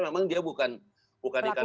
memang dia bukan ikan